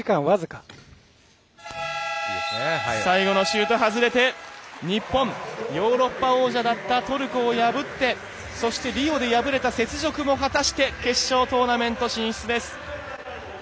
最後のシュート外れて日本、ヨーロッパ王者だったトルコを破ってそしてリオで敗れた雪辱も果たして決勝トーナメント進出です。